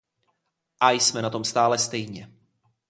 A jsme na tom stále stejně.